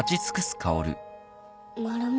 マルモ。